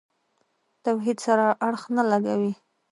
توحید سره اړخ نه لګوي.